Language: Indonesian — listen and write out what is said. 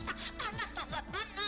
hai di indonesia